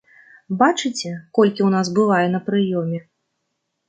Бачыце, колькі ў нас бывае на прыёме?